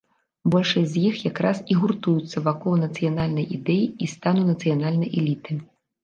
Большасць з іх якраз і гуртуецца вакол нацыянальнай ідэі і стану нацыянальнай эліты.